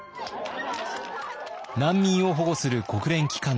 難民を保護する国連機関のトップ